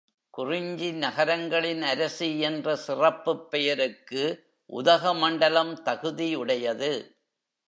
குறிஞ்சி நகரங்களின் அரசி என்ற சிறப்புப் பெயருக்கு உதகமண்டலம் தகுதியுடையது.